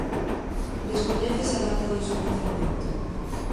Descoñécese a data do seu nacemento.